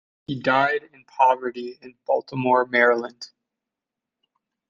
He died in poverty in Baltimore, Maryland.